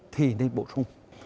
thì nên bổ sung